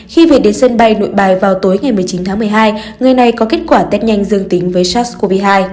khi về đến sân bay nội bài vào tối ngày một mươi chín tháng một mươi hai người này có kết quả tết nhanh dương tính với sars cov hai